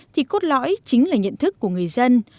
thì cốt lõi chính là nhận thức của người dân